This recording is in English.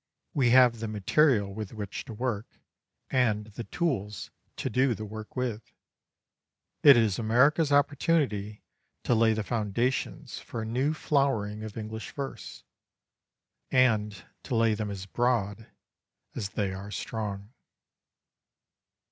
We have the material with which to work, and the tools to do the work with. It is America's opportunity to lay the foundations for a new flowering of English verse, and to lay them as broad as they are strong.